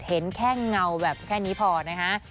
เห็นแค่เงาแบบแค่นี้พอนะฮะ